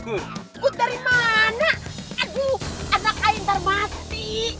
good dari mana aduh anak saya ntar mati